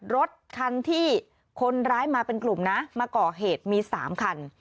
รถคันที่คนร้ายมาเป็นกลุ่มนะมาก่อเหตุมี๓คัน